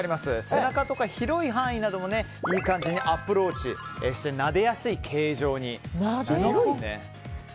背中とか広い範囲にもいい感じにアプローチしてなでやすい形状になっています。